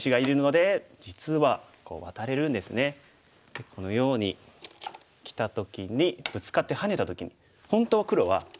でこのようにきた時にブツカってハネた時に本当は黒は二段バネしたいですよね。